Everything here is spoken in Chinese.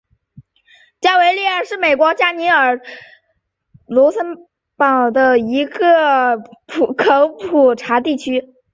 加伯维尔是位于美国加利福尼亚州洪堡县的一个人口普查指定地区。